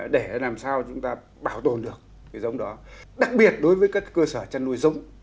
để làm sao chúng ta bảo tồn được cái giống đó đặc biệt đối với các cơ sở chăn nuôi giống